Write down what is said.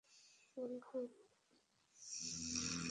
তাঁকে অনুসরণ করেন রানা এবং খান।